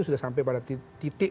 sudah sampai pada titik